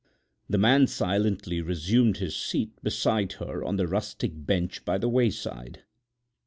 The man silently resumed his seat beside her on the rustic bench by the wayside.